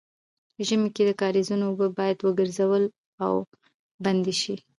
په ژمي کې د کاریزو اوبه باید راوګرځول او بندې شي.